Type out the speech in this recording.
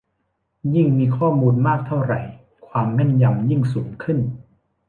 ยิ่งมีข้อมูลมากเท่าไร ความแม่นยำยิ่งสูงขึ้น